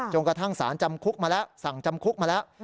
กระทั่งสารจำคุกมาแล้วสั่งจำคุกมาแล้ว